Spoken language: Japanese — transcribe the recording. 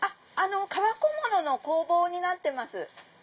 革小物の工房になってます。